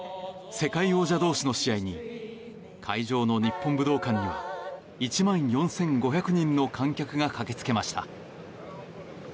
世界王者同士の試合に会場の日本武道館には１万４５００人の観客が駆け付けました。